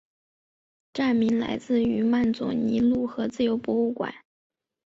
站名来自于曼佐尼路和自由博物馆。